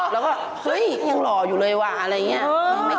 แล้วก็เฮ้ยยังหล่ออยู่เลยว่ะอะไรอย่างนี้